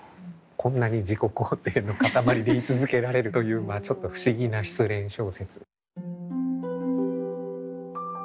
こんなに自己肯定のかたまりで居続けられるというまあちょっと不思議な失恋小説。